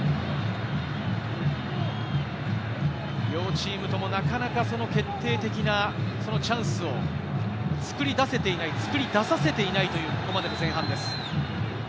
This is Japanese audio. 両チームとも、なかなか決定的なチャンスを作り出せていない、作り出させていないというここまでの前半です。